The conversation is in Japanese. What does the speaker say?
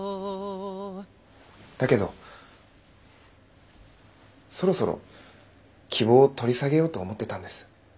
だけどそろそろ希望を取り下げようと思ってたんです。